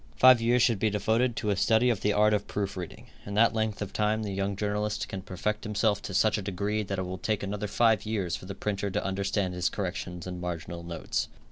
Five years should be devoted to a study of the art of proof reading. In that length of time the young journalist can perfect himself to such a degree that it will take another five years for the printer to understand his corrections and marginal notes.